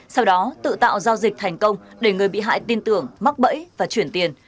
sau đó tự tạo giao dịch thành công để người bị hại tin tưởng mắc bẫy và chuyển tiền